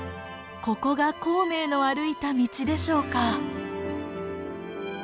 ここが孔明の歩いた道でしょうか。